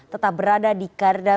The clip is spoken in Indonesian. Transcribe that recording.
tetap berada di kereda